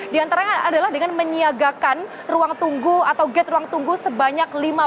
di antaranya adalah dengan menyiagakan ruang tunggu atau gate ruang tunggu sebanyak lima